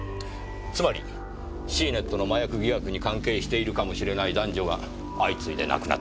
つまりシーネットの麻薬疑惑に関係しているかもしれない男女が相次いで亡くなった。